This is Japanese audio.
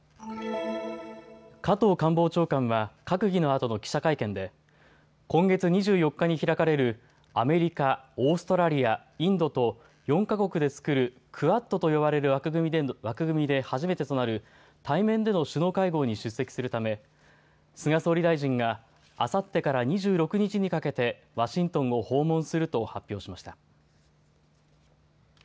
加藤官房長官は閣議のあとの記者会見で今月２４日に開かれるアメリカ、オーストラリア、インドと４か国で作るクアッドと呼ばれる枠組みで初めてとなる対面での首脳会合に出席するため菅総理大臣が、あさってから２６日にかけてワシントンを訪問すると発表しました。